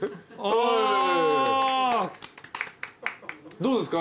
どうですか？